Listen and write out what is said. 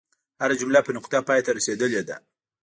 هره جمله په نقطه پای ته رسیدلې ده.